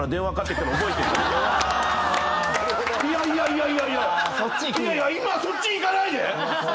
いやいやいや今そっちいかないで！